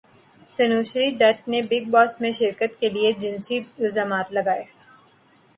تنوشری دتہ نے بگ باس میں شرکت کیلئے جنسی الزامات لگائے